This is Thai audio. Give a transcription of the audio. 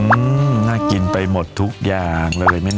อืมน่ากินไปหมดทุกอย่างเลยแม่น้อยใช่อืม